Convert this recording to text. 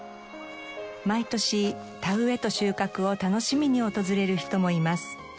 毎年田植えと収穫を楽しみに訪れる人もいます。